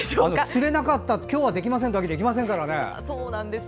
釣れなかった今日はできませんってわけにはいきませんからね。